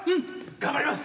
頑張ります。